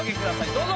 どうぞ。